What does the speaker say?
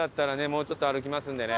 もうちょっと歩きますんでね。